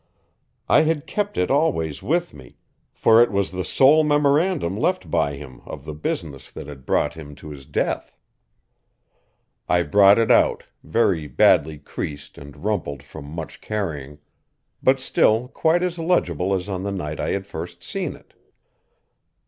I had kept it always with me, for it was the sole memorandum left by him of the business that had brought him to his death. I brought it out, very badly creased and rumpled from much carrying, but still quite as legible as on the night I had first seen it.